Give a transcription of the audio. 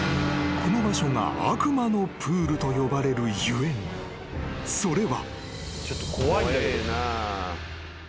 ［この場所が悪魔のプールと呼ばれるゆえんそれは］